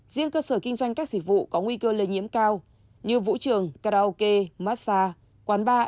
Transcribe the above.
riêng cơ sở kinh doanh các dịch vụ có nguy cơ lây nhiễm cao như vũ trường karaoke massage quán bar